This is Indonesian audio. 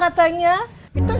mak pengen naik vespa katanya